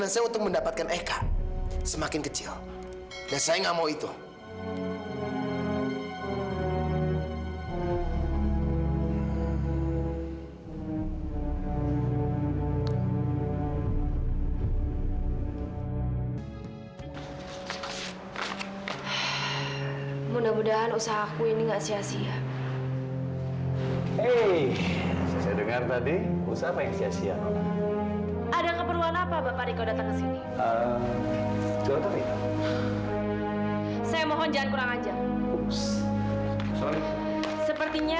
sampai jumpa di video selanjutnya